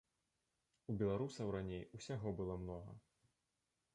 У беларусаў раней усяго было многа.